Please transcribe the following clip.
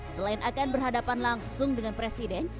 selain akan berhadapan langsung dengan presiden